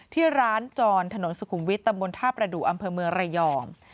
ที่ร้านจรถนนสุขุมวิทย์ตำบลท่าประดูกอำเภอเมืองระยอง